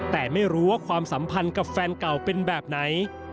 แต่ไม่รู้ว่าความสัมพันธ์กับแฟนเก่าเป็นแบบไหน